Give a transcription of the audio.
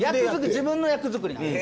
自分の役作りなんです。